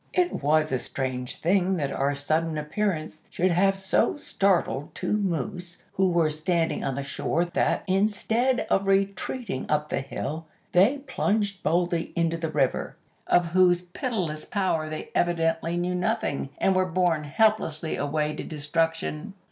"It was a strange thing that our sudden appearance should have so startled two moose who were standing on the shore that, instead of retreating up the hill, they plunged boldly into the river, of whose pitiless power they evidently knew nothing, and were borne helplessly away to destruction.